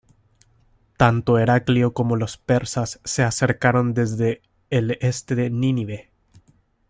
Tanto Heraclio como los persas se acercaron desde el este de Nínive.